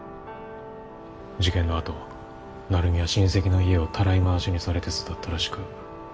事件のあと成海は親戚の家をたらい回しにされて育ったらしく